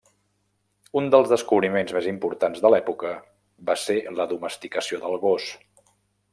Un dels descobriments més importants de l'època va ser la domesticació del gos.